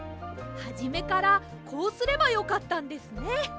はじめからこうすればよかったんですね。